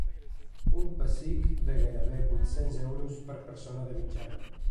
Un pessic de gairebé vuit-cents euros per persona de mitjana.